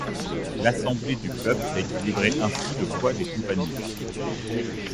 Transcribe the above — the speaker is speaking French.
L'Assemblée du Peuple rééquilibrait ainsi le poids des Compagnons.